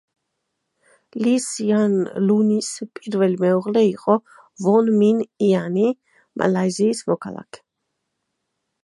ლი სიან ლუნის პირველი მეუღლე იყო ვონ მინ იანი, მალაიზიის მოქალაქე.